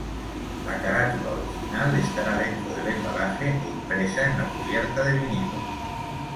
La carátula original estará dentro del embalaje e impresa en la cubierta de vinilo.